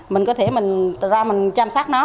mình có thể mình ra mình chăm sát nó